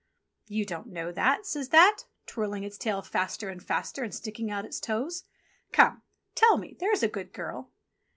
"You don't know that," says That, twirling its tail faster and faster, and sticking out its toes. "Come, tell me, there's a good girl."